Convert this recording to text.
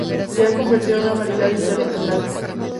Se ha convertido en una variedad internacional.